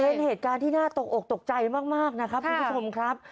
เป็นเหตุการณ์ที่น่าตกอกตกใจมากนะครับคุณผู้ชมครับ